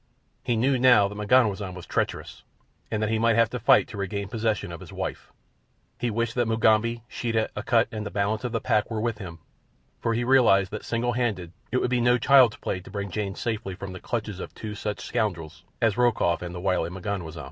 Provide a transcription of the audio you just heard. He knew now that M'ganwazam was treacherous and that he might have to fight to regain possession of his wife. He wished that Mugambi, Sheeta, Akut, and the balance of the pack were with him, for he realized that single handed it would be no child's play to bring Jane safely from the clutches of two such scoundrels as Rokoff and the wily M'ganwazam.